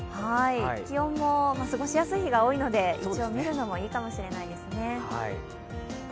気温も過ごしやすい日が多いので、いちょう見るのもいいかもしれないですね。